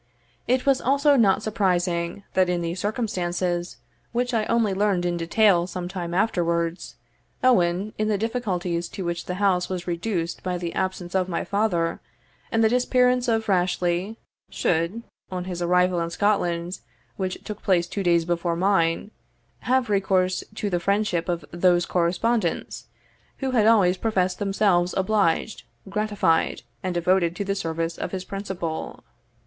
It was also not surprising, that in these circumstances, which I only learned in detail some time afterwards, Owen, in the difficulties to which the house was reduced by the absence of my father, and the disappearance of Rashleigh, should, on his arrival in Scotland, which took place two days before mine, have recourse to the friendship of those correspondents, who had always professed themselves obliged, gratified, and devoted to the service of his principal.